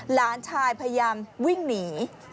หลานชายพยายามวิ่งหนี